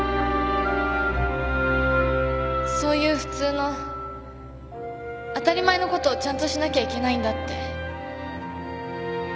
そういう普通の当たり前のことをちゃんとしなきゃいけないんだって。